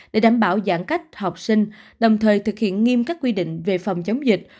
để đảm bảo giãn cách học sinh đồng thời thực hiện nghiêm các quy định về phòng chống dịch